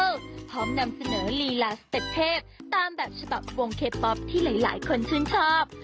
พร้อมนำเสนอลีลาสเต็ปเทพตามแบบฉบับวงเคป๊อปที่หลายคนชื่นชอบ